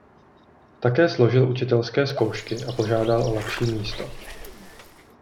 Také složil učitelské zkoušky a požádal o lepší místo.